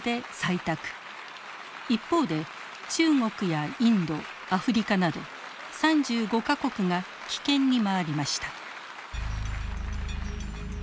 一方で中国やインドアフリカなど３５か国が棄権に回りました。